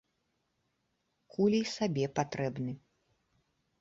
Кулі й сабе патрэбны.